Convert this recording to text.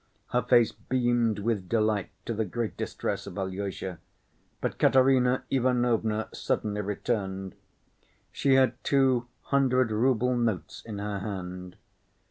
Her face beamed with delight, to the great distress of Alyosha, but Katerina Ivanovna suddenly returned. She had two hundred‐rouble notes in her hand.